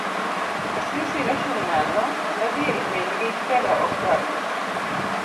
Asisi nochung' malo, nodhi ir min gi kendo okwake.